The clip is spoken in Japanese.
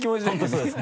そうです